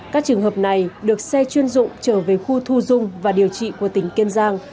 các trường hợp này được xe chuyên dụng trở về khu thu dung và điều trị của tỉnh kiên giang